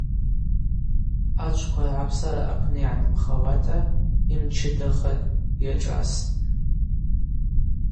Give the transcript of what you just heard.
Ачвква ргӏапсара апны йгӏанымхауата, йымчыдахатӏ, йашӏастӏ.